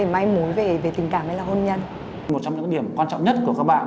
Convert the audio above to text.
một trong những điểm quan trọng nhất của các bạn